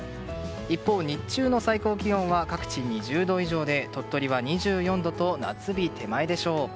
一方、日中の最高気温は各地２０度以上で鳥取は２４度と夏日手前でしょう。